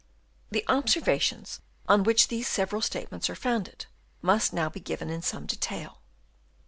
The observations on which these several statements are founded must now be given in some detail.